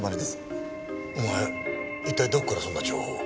お前一体どこからそんな情報を。